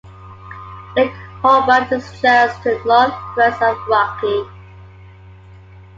Lake Hobart is just to the northwest of Rocky.